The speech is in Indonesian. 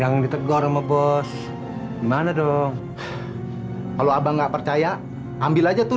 yang ditegur sama bos mana dong kalau abang nggak percaya ambil aja tuh